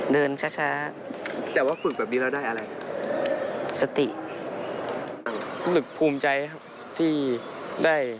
ดิสัยดิที่ดี